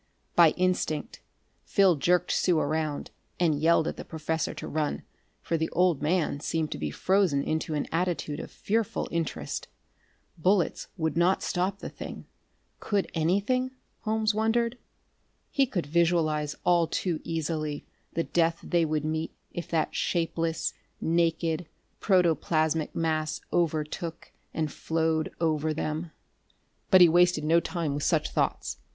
By instinct Phil jerked Sue around and yelled at the professor to run, for the old man seemed to be frozen into an attitude of fearful interest. Bullets would not stop the thing could anything? Holmes wondered. He could visualize all too easily the death they would meet if that shapeless, naked protoplasmic mass overtook and flowed over them.... But he wasted no time with such thoughts.